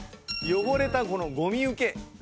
汚れたこのゴミ受け。